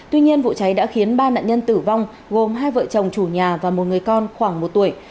tuy nhiên vụ cháy đã khiến ba nạn nhân tử vong gồm hai vợ chồng chủ nhà và một người con khoảng một tuổi